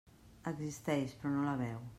Existeix, però no la veu.